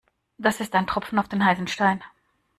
Das ist ein Tropfen auf den heißen Stein.